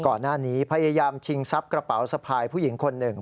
ก่อนหน้านี้พยายามชิงซับกระเป๋าสะพายผู้หญิงคนหนึ่ง